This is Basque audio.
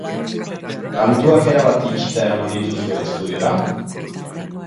Kantuak erabat itxita eraman dituzue estudiora?